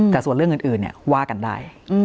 แต่ส่วนเรื่องอื่นว่ากันได้